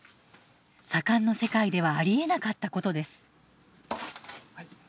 左官の世界ではありえなかったことです。